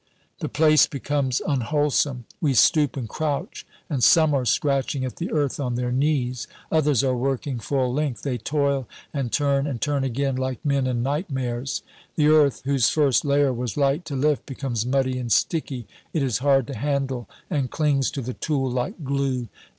The place becomes unwholesome. We stoop and crouch, and some are scratching at the earth on their knees. Others are working full length; they toil, and turn, and turn again, like men in nightmares. The earth, whose first layer was light to lift, becomes muddy and sticky; it is hard to handle, and clings to the tool like glue.